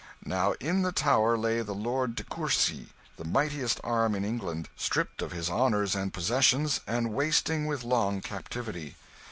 Now in the Tower lay the Lord de Courcy, the mightiest arm in England, stripped of his honours and possessions, and wasting with long captivity.